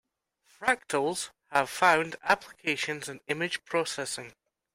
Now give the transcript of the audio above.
Fractals have found applications in image processing.